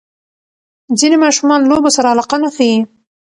ځینې ماشومان لوبو سره علاقه نه ښیي.